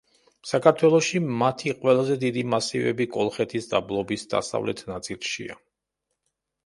საქართველოში მათი ყველაზე დიდი მასივები კოლხეთის დაბლობის დასავლეთ ნაწილშია.